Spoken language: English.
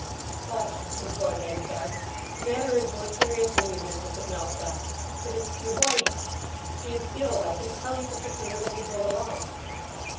"But," implored Henchard, "the matter is more serious than your business at Mellstock. It is—your wife! She is ill. I can tell you particulars as we go along."